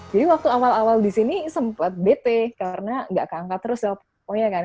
jadi waktu awal awal di sini sempat bete karena gak keangkat terus teleponnya kan